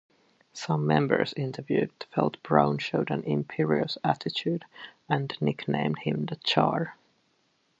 Some members interviewed felt Brown showed an imperious attitude, and nicknamed him The Czar.